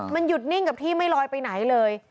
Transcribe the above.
มันหยุดนิ่งกับที่ไม่ลอยไปไหนเลย